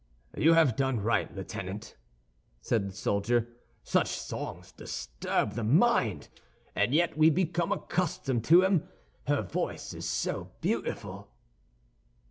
"You have done right, Lieutenant," said the soldier. "Such songs disturb the mind; and yet we become accustomed to them, her voice is so beautiful."